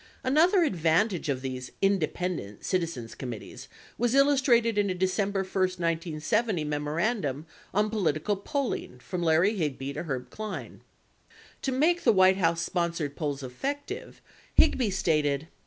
An other advantage of these "independent" citizens committees was illus trated in a December 1, 1970, memorandum on political polling from Larry Higby to Herb Klein. 65 To make the White House sponsored polls effective, Higby stated